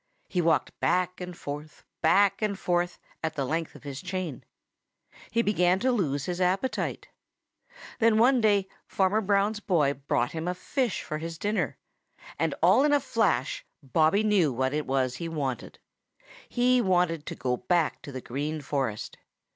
He walked back and forth, back and forth, at the length of his chain. He began to lose his appetite. Then one day Farmer Brown's boy brought him a fish for his dinner, and all in a flash Bobby knew what it was he wanted. He wanted to go back to the Green Forest.